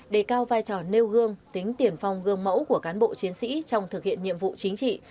đề cao vai trò nêu gương tính tiền phong gương mẫu của cán bộ chiến sĩ trong thực hiện nhiệm vụ chính trị